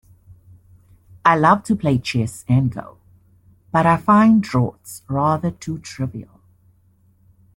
I love to play chess and go, but I find draughts rather too trivial